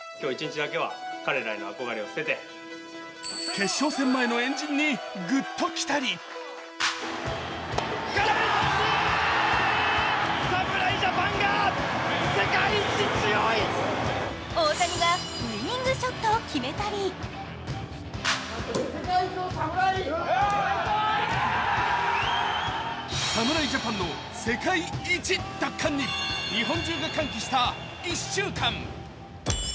決勝戦前の円陣にぐっときたり大谷がウイニングショットを決めたり侍ジャパンの世界一奪還に日本中が歓喜した１週間。